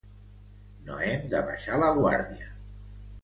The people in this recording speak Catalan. No hem de baixar la guàrdia.